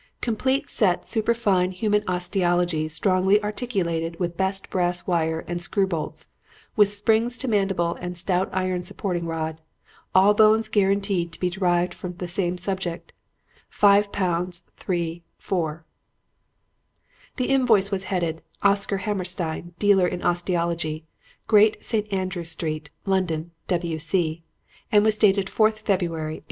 "'Complete set superfine human osteology strongly articulated with best brass wire and screw bolts, with springs to mandible and stout iron supporting rod. All bones guaranteed to be derived from the same subject. £5.3.4.' "The invoice was headed, 'Oscar Hammerstein, Dealer in Osteology, Great St. Andrew Street, London, W.C.,' and was dated 4th February, 1891.